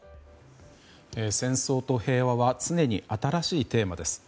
戦争と平和は常に新しいテーマです。